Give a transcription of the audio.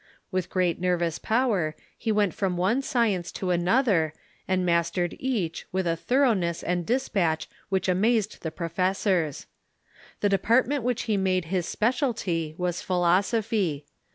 With great nervous power, he went from one science u e s^t ^*^ another, and mastered each with a thoroughness and despatch which aniazed the professors. The de partment which he made his specialty was philosophy.